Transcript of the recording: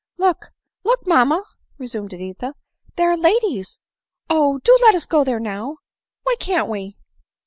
"Look — look, mamma!" resumed Editha; "there are ladies. — Oh ! do let us go there now !— why can't we?"